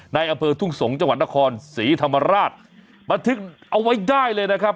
อำเภอทุ่งสงศ์จังหวัดนครศรีธรรมราชบันทึกเอาไว้ได้เลยนะครับ